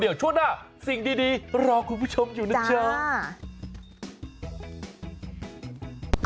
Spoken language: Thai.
เดี๋ยวช่วงหน้าสิ่งดีรอคุณผู้ชมอยู่นะเจ้า